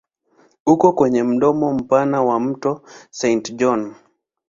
Uko kwenye mdomo mpana wa mto Saint John.